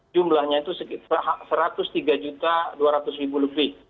jumlahnya itu satu ratus tiga dua ratus lebih